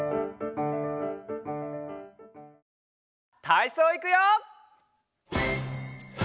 たいそういくよ！